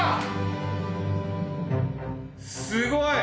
すごい！